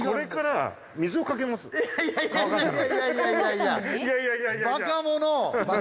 いやいやいやいや。